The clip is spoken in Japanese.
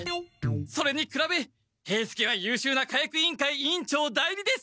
それにくらべ兵助はゆうしゅうな火薬委員会委員長代理です！